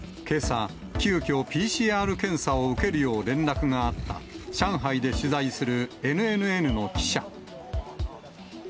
けさ、急きょ、ＰＣＲ検査を受けるよう連絡があった、上海で取材するＮＮＮの記者。